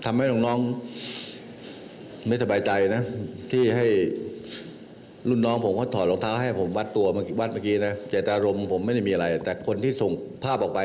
อัชภารณ์ออสมปลับ